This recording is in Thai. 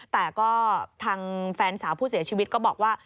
แต่ก็ทางแฟนสาวผู้เสียชีวิตก็บอกว่า